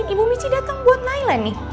ibu michi datang buat naila nih